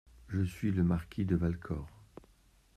Je suis le marquis de Valcor.